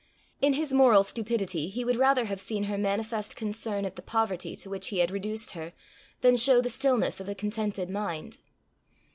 In his moral stupidity he would rather have seen her manifest concern at the poverty to which he had reduced her, than show the stillness of a contented mind.